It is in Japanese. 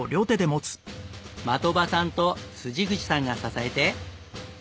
的場さんと口さんが支えて。